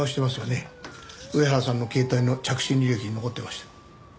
上原さんの携帯の着信履歴に残ってました。